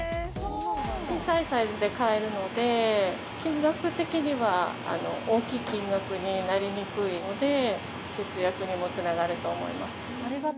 小さいサイズで買えるので、金額的には大きい金額になりにくいので、節約にもつながると思います。